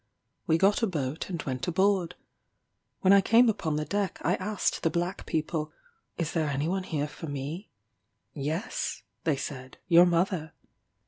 We got a boat and went aboard. When I came upon the deck I asked the black people, "Is there any one here for me?" "Yes," they said, "your mother."